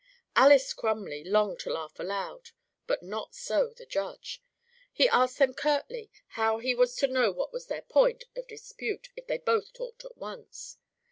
Alys Crumley longed to laugh aloud, but not so the Judge. He asked them curtly how he was to know what was their point of dispute if they both talked at once.